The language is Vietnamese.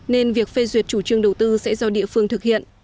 nên việc phê duyệt chủ trương đầu tư sẽ do địa phương thực hiện